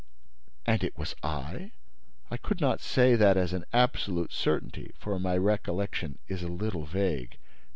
"And it was I?" "I could not say that as an absolute certainty, for my recollection is a little vague.